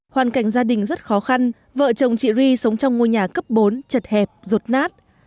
hoàn cảnh gia đình rất khó khăn vợ chồng chị ri sống trong ngôi nhà cấp bốn chật hẹp rột nát